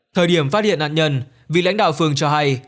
thời điểm phát hiện nạn nhân vị lãnh đạo phường cho hay